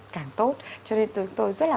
càng tốt cho nên tôi rất là